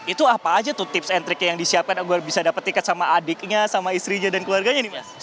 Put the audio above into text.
itu apa aja tuh tips and tricknya yang disiapkan agar bisa dapat tiket sama adiknya sama istrinya dan keluarganya nih mas